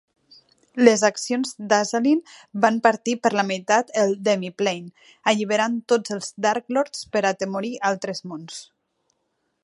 Les accions d'Azalin van partir per la meitat el Demiplane, alliberant tots els Darklords per atemorir altres mons.